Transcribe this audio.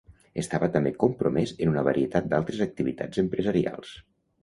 Estava també compromès en una varietat d'altres activitats empresarials.